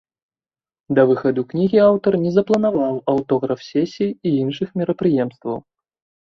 Да выхаду кнігі аўтар не запланаваў аўтограф-сесій і іншых мерапрыемстваў.